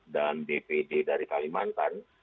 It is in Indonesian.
dan dpd dari kalimantan